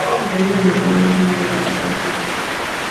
Crecen en matorrales en áreas secas a baja altura.